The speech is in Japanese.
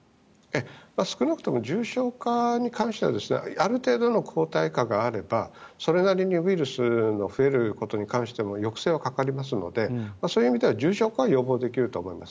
少なくとも重症化に関してはある程度の抗体価があればそれなりにウイルスが増えることに関しても抑制はかかりますのでそういう意味では重症化は予防できると思います。